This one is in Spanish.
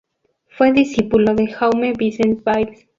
Fue discípulo de Jaume Vicens Vives.